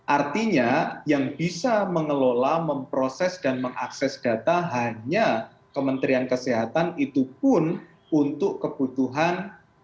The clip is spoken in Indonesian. artinya yang bisa mengelola memproses dan mengakses data hanya kementerian kesehatan itu pun untuk kebutuhan